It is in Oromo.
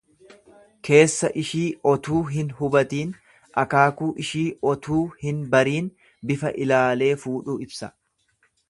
Keessa ishii otuu hin hubatiin, akaakuu ishii otuu hin bariin bifa ilaalee fuudhuu ibsa.